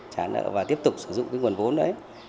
trả nợ và tiếp tục sử dụng cái nguồn vốn đấy